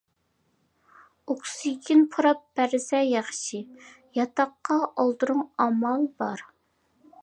ئوكسىگېن پۇراپ بەرسە ياخشى، ياتاققا ئالدۇرۇڭ ئامال بار.